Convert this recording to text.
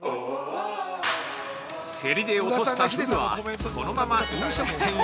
◆競りで落としたふぐはこのまま飲食店へ！